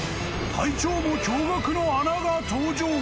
［隊長も驚愕の穴が登場！